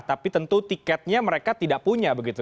tapi tentu tiketnya mereka tidak punya begitu